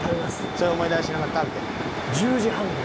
それを思い出しながら食べて。